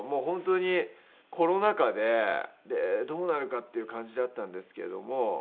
本当にコロナ禍でどうなるかっていう感じだったんですけれども。